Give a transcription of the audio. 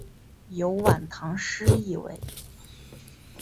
有晚唐诗意味。